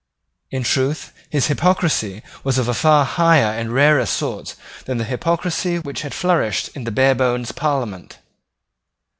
In truth his hypocrisy was of a far higher and rarer sort than the hypocrisy which had flourished in Barebone's Parliament.